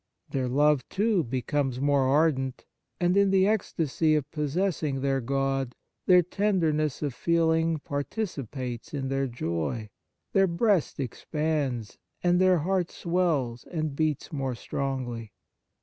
Their love, too, becomes more ardent, and, in the ecstasy of possessing their God, their tenderness of feeling par ticipates in their joy, their breast ex pands, and their heart swells and beats more strongly.